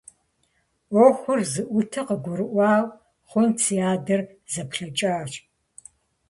Ӏуэхур зыӀутыр къыгурыӀуа хъунт, си адэр зэплъэкӀащ…